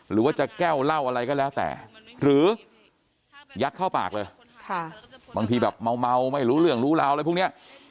หรือว่าจะแก้วเหล้าอะไรก็แล้วแต่หรือยัดเข้าปากเลยบางทีแบบเมาไม่รู้เรื่องรู้ราวอะไรพวกนี้